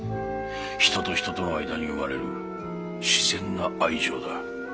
人と人との間に生まれる自然な愛情だ。